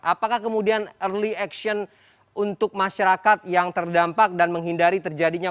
apakah kemudian early action untuk masyarakat yang terdampak dan menghindari terjadinya